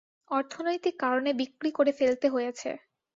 অর্থনৈতিক কারণে বিক্রি করে ফেলতে হয়েছে।